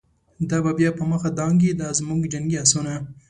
دا به بیا په مخه دانګی، دازموږ جنګی آسونه